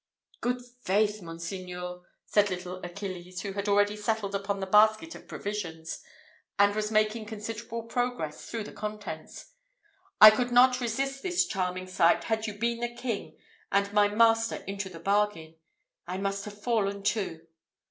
"Good faith! monseigneur," said little Achilles, who had already settled upon the basket of provisions, and was making considerable progress through the contents, "I could not resist this charming sight had you been the king, and my master into the bargain. I must have fallen to.